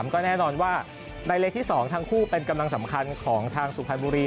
ก็แน่นอนว่าในเลขที่๒ทั้งคู่เป็นกำลังสำคัญของทางสุพรรณบุรี